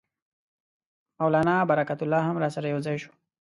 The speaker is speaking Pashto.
مولنا برکت الله هم راسره یو ځای شو.